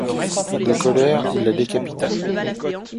De colère, il la décapita.